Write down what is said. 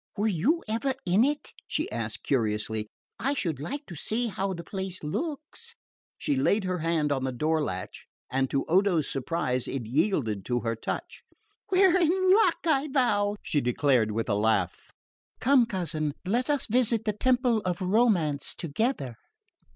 "Were you ever in it?" she asked curiously. "I should like to see how the place looks." She laid her hand on the door latch, and to Odo's surprise it yielded to her touch. "We're in luck, I vow," she declared with a laugh. "Come cousin, let us visit the temple of romance together."